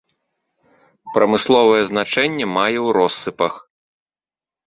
Прамысловае значэнне мае ў россыпах.